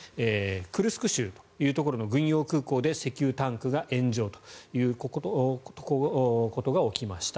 クルスク州というところの軍用空港で石油タンクが炎上ということが起きました。